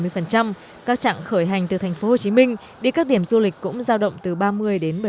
phần trăm các trạng khởi hành từ thành phố hồ chí minh đi các điểm du lịch cũng giao động từ ba mươi đến